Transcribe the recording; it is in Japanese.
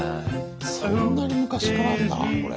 そんなに昔からあんだこれ。